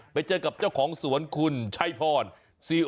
ไปเจอกับเจ้าของสวนคุณชัยภรซีอริธนชด